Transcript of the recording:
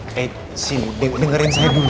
disini dengerin saya dulu